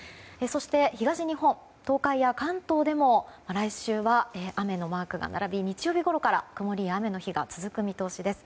東日本、東海や関東でも来週は雨のマークが並び日曜日ごろから曇りや雨の日が続く見通しです。